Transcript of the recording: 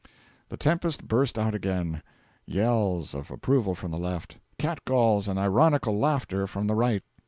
The tempest burst out again: yells of approval from the Left, catcalls and ironical laughter from the Right.